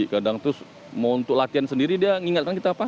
kadang terus mau untuk latihan sendiri dia mengingatkan kita apa